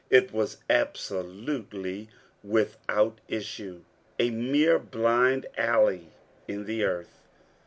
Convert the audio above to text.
It was absolutely without issue a mere blind alley in the earth.